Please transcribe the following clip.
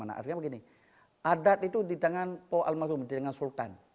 artinya begini adat itu di tangan paul al mazhum di tangan sultan